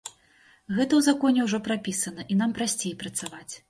Гэта ў законе ўжо прапісана, і нам прасцей працаваць.